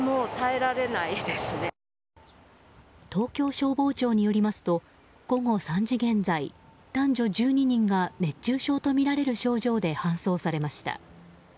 東京消防庁によりますと午後３時現在男女１２人が熱中症とみられる症状で搬送されました。